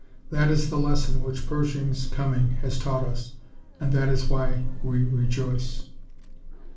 That is the lesson which Pershing's coming has taught us, and that is why we rejoice."